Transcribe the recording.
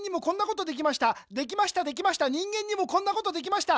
できましたできました人間にもこんなことできました。